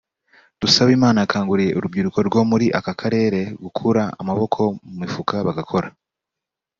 Dusabimana yakanguriye urubyiruko rwo muri aka karere gukura amaboko mu mifuka bagakora